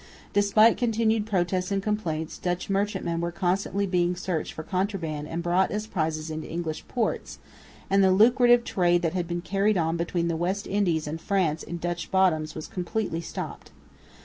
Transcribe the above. Despite continued protests and complaints, Dutch merchantmen were constantly being searched for contraband and brought as prizes into English ports; and the lucrative trade that had been carried on between the West Indies and France in Dutch bottoms was completely stopped.